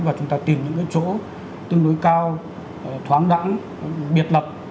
và chúng ta tìm những cái chỗ tương đối cao thoáng đẳng biệt lập